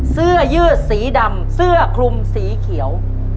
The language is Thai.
เสื้อยืดสีดำเสื้อคลุมสีเขียว